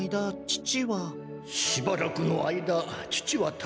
「しばらくの間父は」。